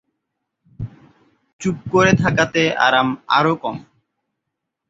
চুপ করে থাকাতে আরাম আরও কম।